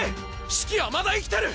シキはまだ生きてる！